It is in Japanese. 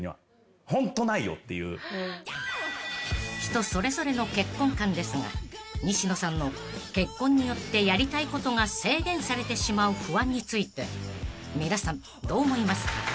［人それぞれの結婚観ですが西野さんの結婚によってやりたいことが制限されてしまう不安について皆さんどう思いますか？］